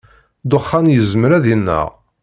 Ddexxan yezmer ad ineɣ.